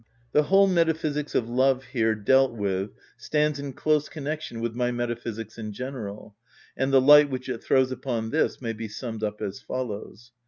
The whole metaphysics of love here dealt with stands in close connection with my metaphysics in general, and the light which it throws upon this may be summed up as follows.